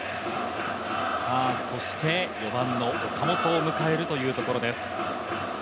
そして４番の岡本を迎えるというところです。